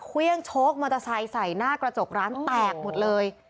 เควี้ยงโช๊คมันจะใส่ใส่หน้ากระจกร้านแตกหมดเลย